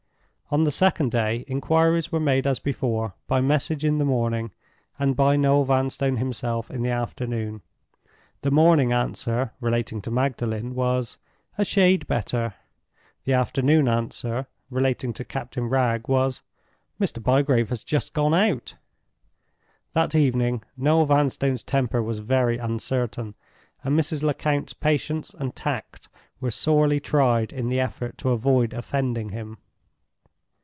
On the second day inquiries were made as before, by message in the morning, and by Noel Vanstone himself in the afternoon. The morning answer (relating to Magdalen) was, "a shade better." The afternoon answer (relating to Captain Wragge) was, "Mr. Bygrave has just gone out." That evening Noel Vanstone's temper was very uncertain, and Mrs. Lecount's patience and tact were sorely tried in the effort to avoid offending him.